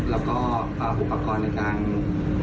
แล้วก็อุปกรณ์ในการหั่นศพ